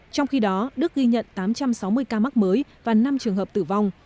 trong khi đó đức ghi nhận tám trăm sáu mươi ca mắc mới và năm trường hợp tử vong